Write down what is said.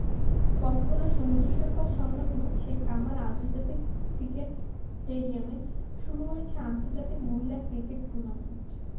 কক্সবাজার সমুদ্রসৈকতসংলগ্ন শেখ কামাল আন্তর্জাতিক ক্রিকেট স্টেডিয়ামে শুরু হয়েছে আন্তর্জাতিক মহিলা ক্রিকেট টুর্নামেন্ট।